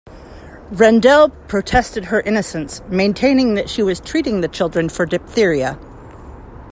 Rendell protested her innocence, maintaining that she was treating the children for diphtheria.